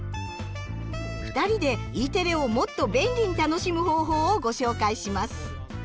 ２人でＥテレをもっと便利に楽しむ方法をご紹介します。